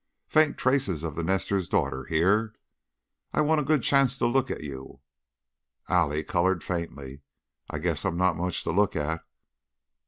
Faint trace of the nester's daughter here. "I want a good chance to look at you." Allie colored faintly. "I guess I'm not much to look at."